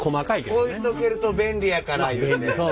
置いとけると便利やからいうて。